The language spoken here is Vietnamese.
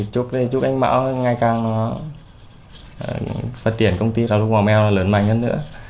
chúc anh mão ngày càng phát triển công ty sáo trúc mèo lớn mạnh hơn nữa